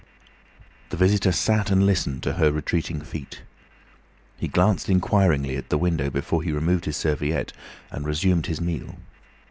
The visitor sat and listened to her retreating feet. He glanced inquiringly at the window before he removed his serviette, and resumed his meal.